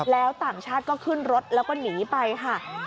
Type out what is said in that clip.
แล้วต่างชาติก็ขึ้นรถแล้วก็หนีไปค่ะ